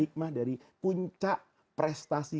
hikmah dari puncak prestasi